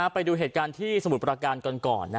ไปดูเหตุการณ์ที่สมุทรประการก่อน